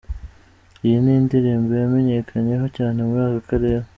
Iyi nindirimbo ymenyekanyeho cyane muri akarere